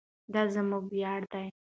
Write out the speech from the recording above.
دا زموږ ویاړ دی.